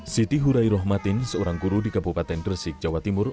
siti hurai rohmatin seorang guru di kabupaten gresik jawa timur